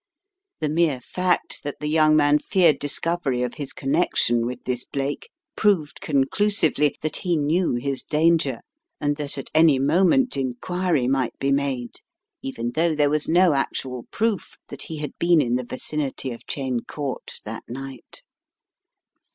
The mere fact that the young man feared discovery of his connection with this Blake proved conclusively that he knew his danger and that at any moment inquiry might be made, even though there was no actual proof that he had been in the vicinity of Cheyne Court that night.